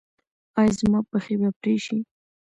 ایا زما پښې به پرې شي؟